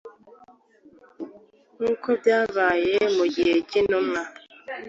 Nk’uko byabaye mu gihe cy’intumwa,